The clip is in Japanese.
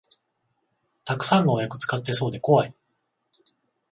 たくさん農薬使ってそうでこわい